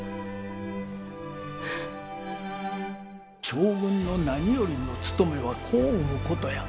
将軍の何よりのつとめは子を産むことや！